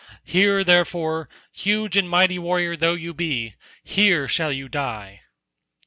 Here therefore, huge and mighty warrior though you be, here shall you die."